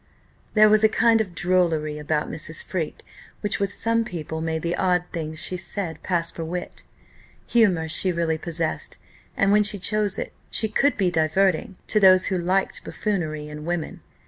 There was a kind of drollery about Mrs. Freke, which, with some people, made the odd things she said pass for wit. Humour she really possessed; and when she chose it, she could be diverting to those who like buffoonery in women.